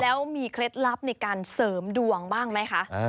แล้วมีเคล็ดลับในการเสริมดวงบ้างไหมคะ